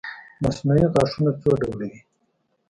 مصنوعي غاښونه څو ډوله وي